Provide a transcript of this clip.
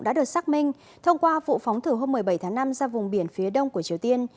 đã được xác minh thông qua vụ phóng thử hôm một mươi bảy tháng năm ra vùng biển phía đông của triều tiên